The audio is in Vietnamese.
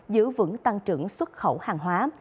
giữ vững tăng trưởng xuất khẩu hàng hóa